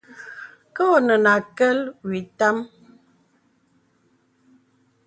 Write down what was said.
Kə ɔnə nə àkəl wɔ ìtâm.